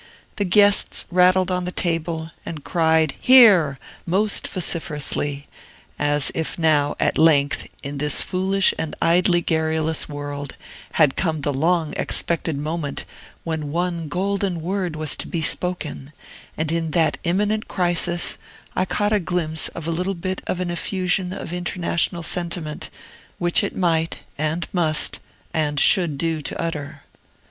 The guests rattled on the table, and cried, "Hear!" most vociferously, as if now, at length, in this foolish and idly garrulous world, had come the long expected moment when one golden word was to be spoken; and in that imminent crisis, I caught a glimpse of a little bit of an effusion of international sentiment, which it might, and must, and should do to utter.